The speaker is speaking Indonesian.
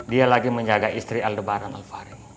dia lagi menjaga istri aldebaran alfari